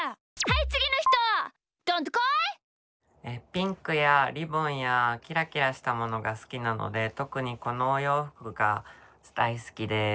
ピンクやリボンやキラキラしたものがすきなのでとくにこのおようふくがだいすきです。